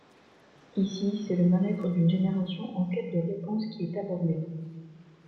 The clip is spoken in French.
Ici, c'est le mal-être d'une génération en quête de réponses qui est abordé.